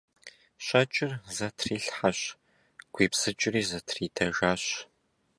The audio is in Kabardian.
Щэкӏыр зэтрилъхьэщ, гуибзыкӏри зэтридэжащ.